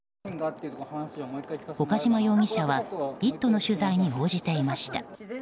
岡島容疑者は「イット！」の取材に応じていました。